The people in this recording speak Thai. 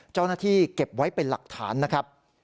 เจ้าหน้าที่เก็บไว้เป็นหลักฐานนะครับ